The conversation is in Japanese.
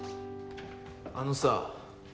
あのさ。